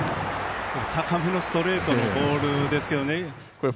高めのストレートのボールですけどね。